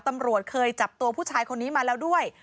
ตำรวจเคยจับตัวผู้ชายคนนี้มาแล้วด้วย